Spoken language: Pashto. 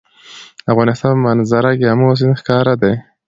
د افغانستان په منظره کې آمو سیند ښکاره دی.